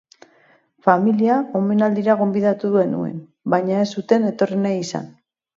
Familia omenaldira gonbidatu genuen, baina ez zuten etorri nahi izan.